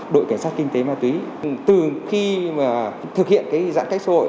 đội cảnh sát kinh tế ma túy từ khi thực hiện giãn cách xã hội